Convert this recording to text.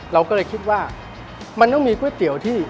เราก็เลยคิดว่ามันต้องมีก๋วยเตี๋ยวที่